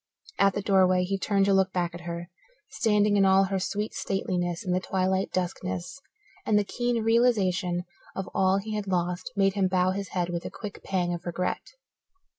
At the doorway he turned to look back at her, standing in all her sweet stateliness in the twilight duskness, and the keen realization of all he had lost made him bow his head with a quick pang of regret.